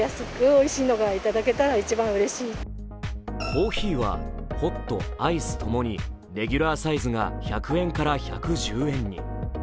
コーヒーはホット、アイス共にレギュラーサイズが１００円から１１０円に。